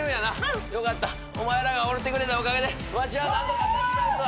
よかったお前らがおってくれたおかげでわしは何とか助かりそう。